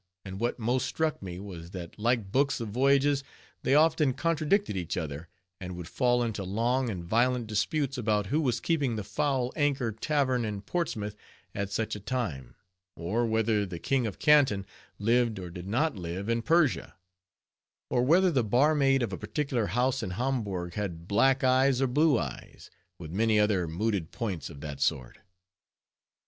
And what most struck me was that like books of voyages they often contradicted each other, and would fall into long and violent disputes about who was keeping the Foul Anchor tavern in Portsmouth at such a time; or whether the King of Canton lived or did not live in Persia; or whether the bar maid of a particular house in Hamburg had black eyes or blue eyes; with many other mooted points of that sort.